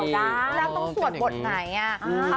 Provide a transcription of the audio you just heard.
แล้วต้องสวดบทไหนอ่ะ